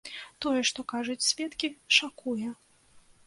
Тое, што кажуць сведкі, шакуе.